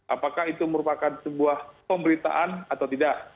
apakah itu merupakan sebuah pemberitaan atau tidak